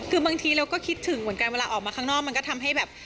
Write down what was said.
คือบางทีเราก็คิดถึงเหมือนกันเวลาออกมาข้างนอกมันก็ทำให้แบบ